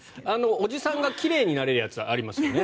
おじさんが奇麗になるやつはありますよね。